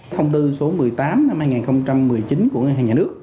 thông tư số một mươi tám năm hai nghìn một mươi chín của nhà nước